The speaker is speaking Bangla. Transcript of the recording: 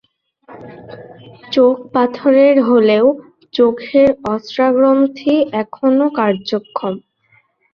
চোখ পাথরের হলেও চোখের অশ্রাগ্রন্থি এখনো কার্যক্ষম।